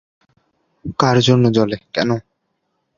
কার জন্য জ্বলে, কেন?